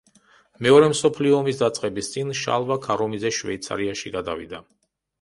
მეორე მსოფლიო ომის დაწყების წინ შალვა ქარუმიძე შვეიცარიაში გადავიდა.